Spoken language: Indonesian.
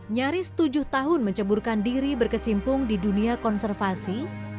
nyaris tujuh tahun menceburkan diri berkecimpung di dunia konservasi